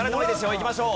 いきましょう。